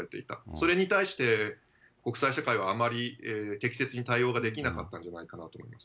それに対して、国際社会はあまり適切に対応ができなかったんじゃないかと思います。